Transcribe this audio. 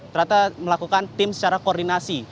ternyata melakukan tim secara koordinasi